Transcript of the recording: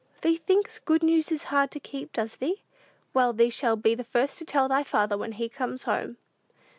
"Thee thinks good news is hard to keep, does thee? Well, thee shall be the first to tell thy father when he comes home."